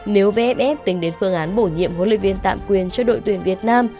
nếu vff tính đến phương án bổ nhiệm huấn luyện viên tạm quyền cho đội tuyển việt nam